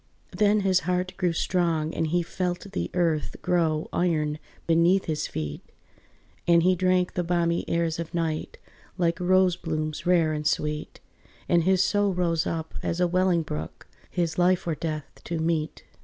Then his heart grew strong and he felt the earth Grow iron beneath his feet, And he drank the balmy airs of night Like rose blooms rare and sweet: And his soul rose up as a welling brook, His life or death to meet.